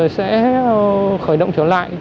sẽ khởi động trở lại